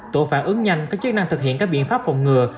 tội phản ứng nhanh có chức năng thực hiện các biện pháp phòng ngừa